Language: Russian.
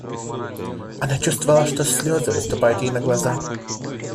Она чувствовала, что слезы выступают ей на глаза.